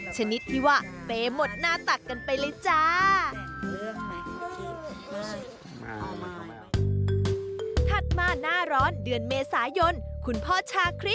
ชนิดที่ว่าเป๊หมดหน้าตักกันไปเลยจ้า